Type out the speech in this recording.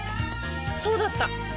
そうだった！